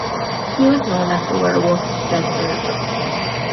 He was known as 'the werewolf of Bedburg'.